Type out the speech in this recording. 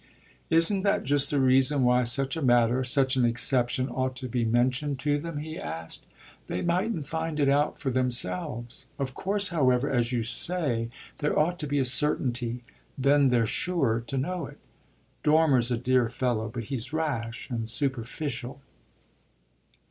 "Isn't that just the reason why such a matter, such an exception, ought to be mentioned to them?" he asked. "They mightn't find it out for themselves. Of course, however, as you say, there ought to be a certainty; then they're surer to know it. Dormer's a dear fellow, but he's rash and superficial."